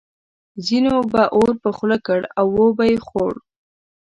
ځینو به اور په خوله کړ او وبه یې خوړ.